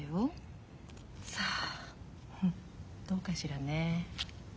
さあどうかしらねえ。